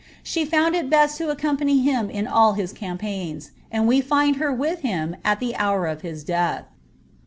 She found it best to accompany hun in all his campaigns, and we find her with him at the hour of his death.